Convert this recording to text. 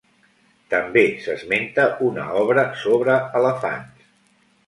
També s'esmenta una obra sobre elefants.